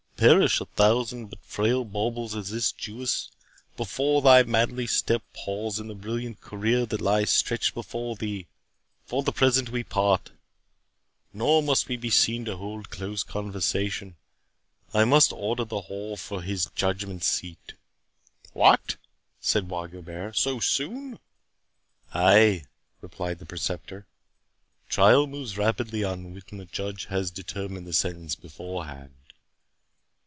Perish a thousand such frail baubles as this Jewess, before thy manly step pause in the brilliant career that lies stretched before thee! For the present we part, nor must we be seen to hold close conversation—I must order the hall for his judgment seat." "What!" said Bois Guilbert, "so soon?" "Ay," replied the Preceptor, "trial moves rapidly on when the judge has determined the sentence beforehand."